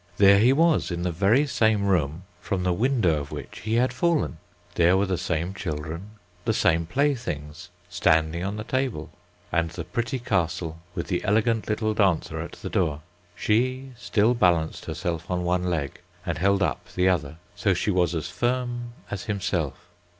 there he was in the very same room from the window of which he had fallen, there were the same children, the same playthings, standing on the table, and the pretty castle with the elegant little dancer at the door; she still balanced herself on one leg, and held up the other, so she was as firm as himself.